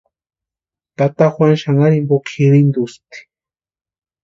Tata Juanu xanharu jimpo kʼirhintuspti.